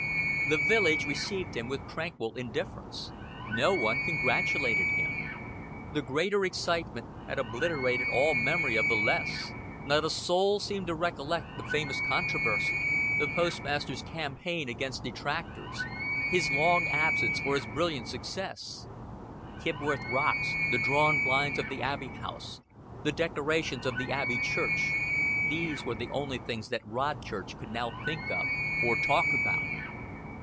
The village received him with tranquil indifference. No one congratulated him. The greater excitement had obliterated all memory of the less: not a soul seemed to recollect the famous controversy, the postmaster's campaign against detractors, his long absence or his brilliant success. Kibworth Rocks, the drawn blinds of the Abbey House, the decorations of the Abbey Church these were the only things that Rodchurch could now think of, or talk about.